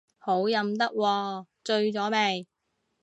好飲得喎，醉咗未